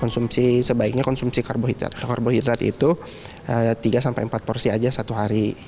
konsumsi sebaiknya konsumsi karbohidrat itu tiga sampai empat porsi saja satu hari